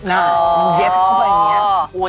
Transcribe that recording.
มันเย็บขึ้นแบบนี้